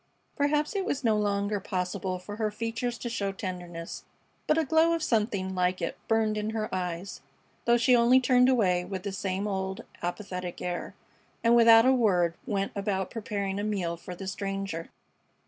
Perhaps it was no longer possible for her features to show tenderness, but a glow of something like it burned in her eyes, though she only turned away with the same old apathetic air, and without a word went about preparing a meal for the stranger.